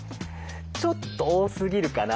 ちょっと多すぎるかな。